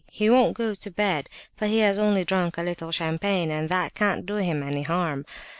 He won't go to bed, but he has only drunk a little champagne, and that can't do him any harm.